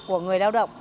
của người lao động